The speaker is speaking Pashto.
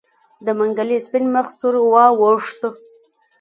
د منګلي سپين مخ سور واوښت.